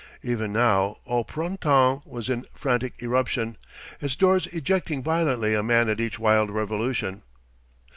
Even now Au Printemps was in frantic eruption, its doors ejecting violently a man at each wild revolution.